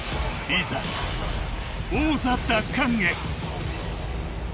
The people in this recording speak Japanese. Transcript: いざ、王座奪還へ。